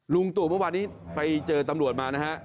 ลุงตู่เมื่อวานนี้ไปเจอตำรวจมานะฮะ